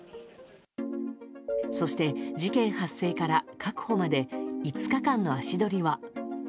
そして、事件発生から確保まで５日間の足取りは。